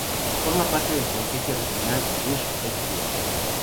Forma parte del Concejo regional Gush Etzion.